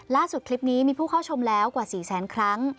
คลิปนี้มีผู้เข้าชมแล้วกว่า๔แสนครั้ง